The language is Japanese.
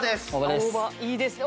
大葉いいですね。